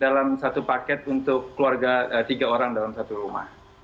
dalam satu paket untuk keluarga tiga orang dalam satu rumah